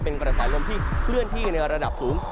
เป็นกระแสลมที่เคลื่อนที่ในระดับสูง